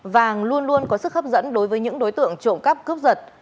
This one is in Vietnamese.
vàng luôn luôn có sức hấp dẫn đối với những đối tượng trộm cắp cướp giật